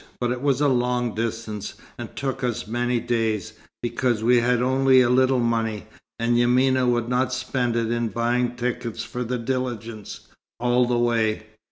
But it was a long distance, and took us many days, because we had only a little money, and Yamina would not spend it in buying tickets for the diligence, all the way.